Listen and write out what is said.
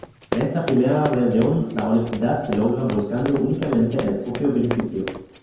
En esta primera versión, la honestidad se logra buscando únicamente el propio beneficio.